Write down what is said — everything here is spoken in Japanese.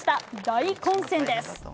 大混戦です。